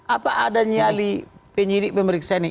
apa ada penyidik memeriksa ini